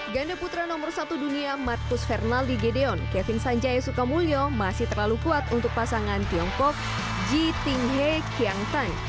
ganda putra nomor satu dunia marcus fernaldi gedeon kevin sanjaya sukamulyo masih terlalu kuat untuk pasangan tiongkok ji ting hei kiangtan